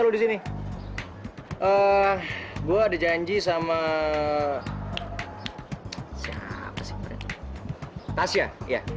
lepasin pak randy